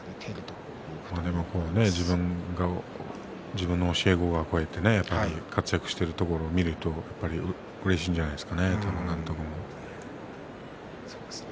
自分の教え子がこうやって活躍しているところを見るとうれしいんじゃないでしょうかね。